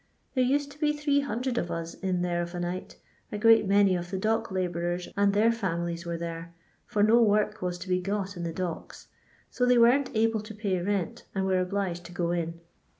There used to be 300 of us in there of a nighti a great many of the dock labourers and their £uulies were there, for no work was to be got in the docks ; so they weren't able to pay rent, and wers obliged to go in.